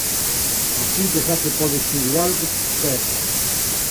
Así que xa te podes figurar o que che espera...